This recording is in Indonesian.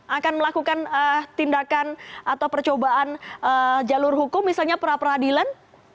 akan melakukan tindakan atau percobaan jalur hukum misalnya perapradilan